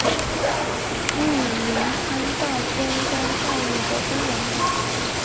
译名参照尖端代理的中文版。